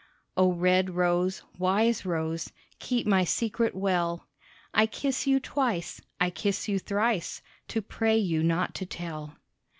Oh, red rose, wise rose, Keep my secret well; I kiss you twice, I kiss you thrice To pray you not to tell.